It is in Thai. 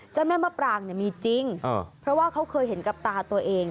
เจ้าแม่มะปรางเนี่ยมีจริงเพราะว่าเขาเคยเห็นกับตาตัวเอง